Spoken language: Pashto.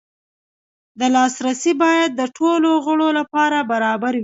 دا لاسرسی باید د ټولو غړو لپاره برابر وي.